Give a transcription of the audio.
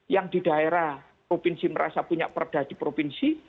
yang di daerah provinsi merasa punya perda di provinsi